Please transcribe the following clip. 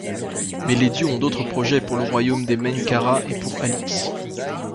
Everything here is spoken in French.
Mais les dieux ont d'autres projets pour le royaume des Menkharâ et pour Alix.